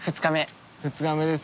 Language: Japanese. ２日目。